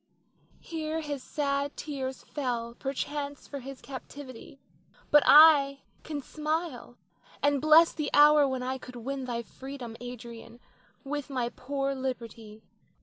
Here his sad tears fell perchance for his captivity; but I can smile and bless the hour when I could win thy freedom, Adrian, with my poor liberty.